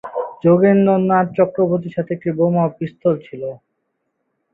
যোগেন্দ্রনাথ চক্রবর্তীর সাথে একটি বোমা ও পিস্তল ছিলো।